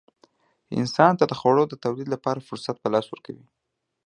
انسان ته د خوړو د تولید لپاره فرصت په لاس ورکوي.